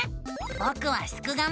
ぼくはすくがミ。